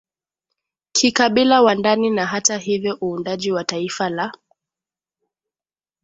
kikabila wa ndani na hata hivyo uundaji wa taifa la